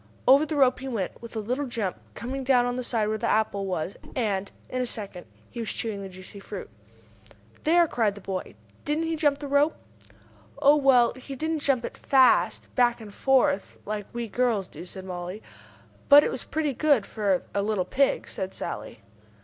Over the rope he went, with a little jump, coming down on the side where the apple was, and, in a second he was chewing the juicy fruit. "There!" cried the boy. "Didn't he jump the rope?" "Oh, well, but he didn't jump it fast, back and forth, like we girls do," said Mollie. "But it was pretty good for a little pig," said Sallie.